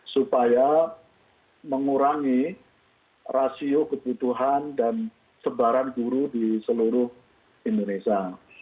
supaya mengurangi rasio kebutuhan dan sebaran guru di seluruh indonesia